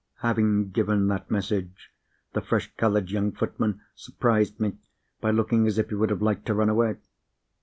Having given that message, the fresh coloured young footman surprised me by looking as if he would have liked to run away.